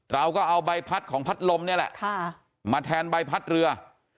เราก็เอาใบพัดของพัดลมนี่แหละมาแทนใบพัดเรือ